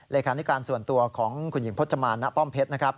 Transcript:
นิการส่วนตัวของคุณหญิงพจมานณป้อมเพชรนะครับ